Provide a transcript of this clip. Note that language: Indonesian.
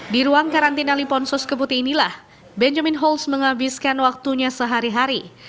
di ruang karantina liponsos keputi inilah benjamin holtz menghabiskan waktunya sehari hari